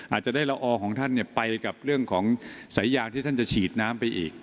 อาจจะได้ละออของท่านไปกับเรื่องของสายยางที่ท่านจะฉีดน้ำไปอีก